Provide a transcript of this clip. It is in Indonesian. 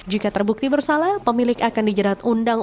jika terbukti bersalah pemilik akan dijerat undang undang